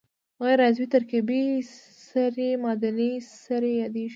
غیر عضوي ترکیبي سرې معدني سرې یادیږي.